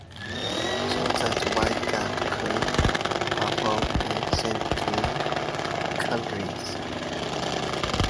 So that's why Dad could perform in certain countries.